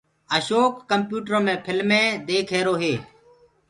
اشوڪ ڪمپيوٽرو مي ڦلمينٚ ديک ريهرو هي